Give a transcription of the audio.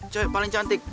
cowok yang paling cantik